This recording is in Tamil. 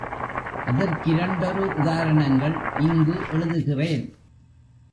அதற்கிரண்டொரு உதாரணங்கள் இங்கு எழுதுகிறேன்.